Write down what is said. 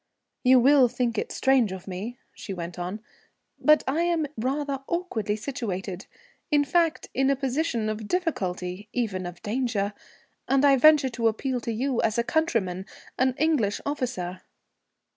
"You will think it strange of me," she went on, "but I am rather awkwardly situated, in fact in a position of difficulty, even of danger, and I venture to appeal to you as a countryman, an English officer."